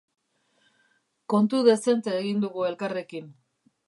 Kontu dezente egin dugu elkarrekin.